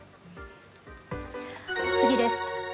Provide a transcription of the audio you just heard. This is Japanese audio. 次です。